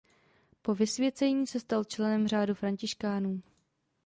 Po vysvěcení se stal členem řádu františkánů.